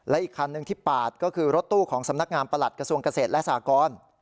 และอีกคันหนึ่งที่ปาดก็คือรถตู้ของสำนักงานประหลัดกระทรวงเกษตรและสากร